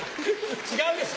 違うんです！